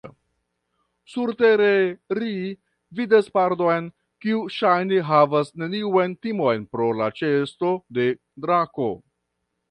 Surtere, ri vidas pandon, kiu ŝajne havas neniun timon pro la ĉeesto de drako.